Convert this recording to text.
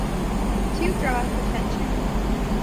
To draw attention.